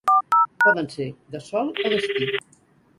Poden ser de sol o d'esquí.